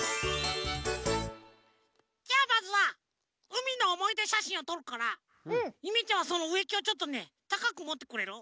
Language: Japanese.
じゃあまずはうみのおもいでしゃしんをとるからゆめちゃんはそのうえきをちょっとねたかくもってくれる？